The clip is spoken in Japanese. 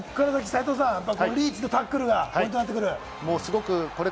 だからここからリーチのタックルがポイントになってくる？